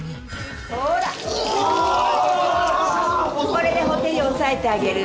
これでほてりを抑えてあげる。